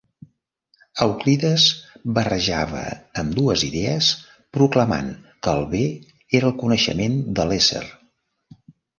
Euclides barrejava ambdues idees proclamant que el bé era el coneixement de l'ésser.